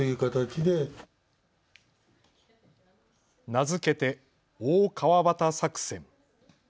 名付けて大川端作戦。